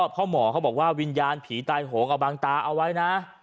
พ่อหมอเขาบอกว่าวิญญาณผีตายโหงเอาบางตาเอาไว้นะ